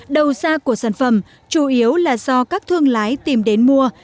đầu ra của sản phẩm chủ yếu là do các thương lái tìm đến mua